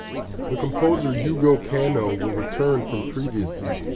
The composer Yugo Kanno will return from previous seasons.